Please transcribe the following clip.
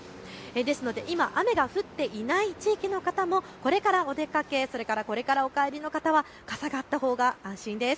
ですので今、雨が降っていない地域の方もこれからお出かけ、これからおかえりの方は傘があったほうが安心です。